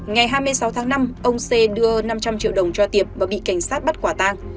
ngày hai mươi sáu tháng năm ông c đưa năm trăm linh triệu đồng cho tiệp và bị cảnh sát bắt quả tang